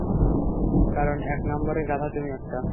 কারন এক নাম্বারের গাধা তুমি একটা।